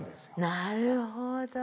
なるほど。